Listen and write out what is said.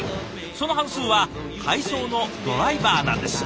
その半数は配送のドライバーなんです。